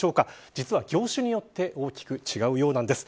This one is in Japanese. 実は、業種によって大きく違うようなんです。